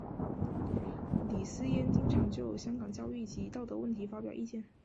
李偲嫣经常就香港教育及道德问题发表意见。